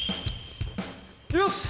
よし！